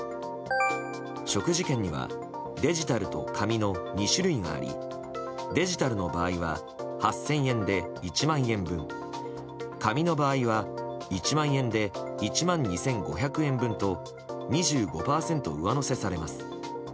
食事券にはデジタルと紙の２種類がありデジタルの場合は８０００円で１万円分紙の場合は１万円で１万２５００円分と２５％上乗せされます。